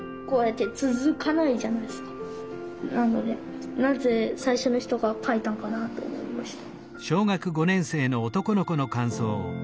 なのでなぜ最初の人が書いたのかなと思いました。